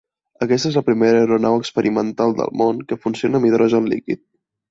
Aquesta és la primera aeronau experimental del món que funciona amb hidrogen liquid.